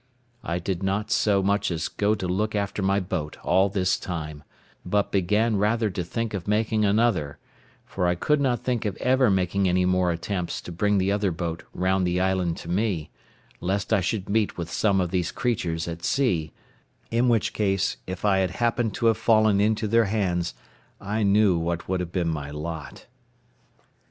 I did not so much as go to look after my boat all this time, but began rather to think of making another; for I could not think of ever making any more attempts to bring the other boat round the island to me, lest I should meet with some of these creatures at sea; in which case, if I had happened to have fallen into their hands, I knew what would have been my lot.